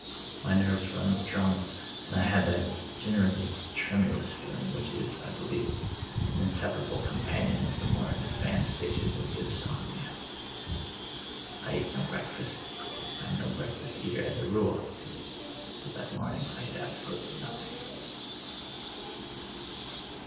My nerves were unstrung, and I had that generally tremulous feeling which is, I believe, an inseparable companion of the more advanced stages of dipsomania. I ate no breakfast. I am no breakfast eater as a rule, but that morning I ate ab solutely nothing.